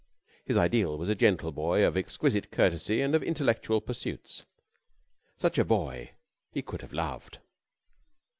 His ideal was a gentle boy of exquisite courtesy and of intellectual pursuits. Such a boy he could have loved.